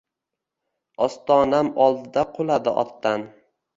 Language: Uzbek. Ostonam oldida quladi otdan.